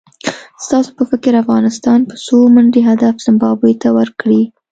ستاسو په فکر افغانستان به څو منډي هدف زیمبابوې ته ورکړي؟